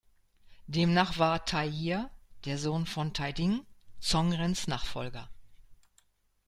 Demnach war Tai Jia, der Sohn von Tai Ding, Zhong Rens Nachfolger.